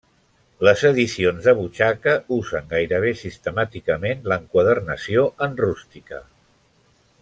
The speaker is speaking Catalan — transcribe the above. Les edicions de butxaca usen gairebé sistemàticament l'enquadernació en rústica.